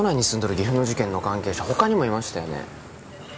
岐阜の事件の関係者他にもいましたよね